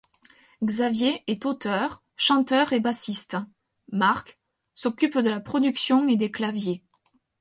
Xavier est auteur, chanteur et bassiste; Marc s'occupe de la production et des claviers.